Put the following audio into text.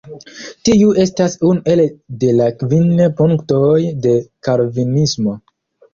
Tiu estas unu el de la Kvin punktoj de Kalvinismo.